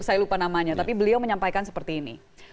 saya lupa namanya tapi beliau menyampaikan seperti ini